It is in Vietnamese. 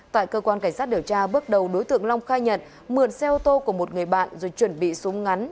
tại cơ quan cảnh sát điều tra bước đầu đối tượng long khai nhận mượn xe ô tô của một người bạn rồi chuẩn bị súng ngắn